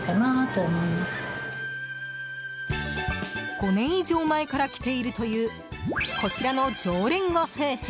５年以上前から来ているというこちらの常連ご夫婦。